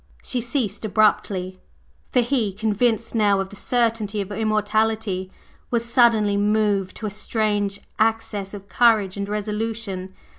…" She ceased abruptly, for he, convinced now of the certainty of Immortality, was suddenly moved to a strange access of courage and resolution.